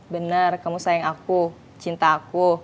benar kamu sayang aku cinta aku